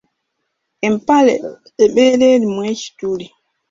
Empale ebeera erimu ekituli.